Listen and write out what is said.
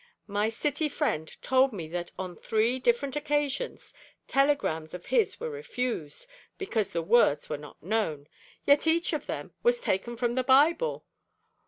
My City friend told me that on three different occasions telegrams of his were refused, because the words were not known, yet each of them was taken from the Bible!